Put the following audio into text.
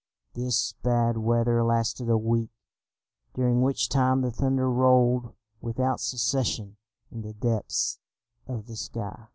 This bad weather lasted a week, during which time the thunder rolled without cessation in the depths of the sky.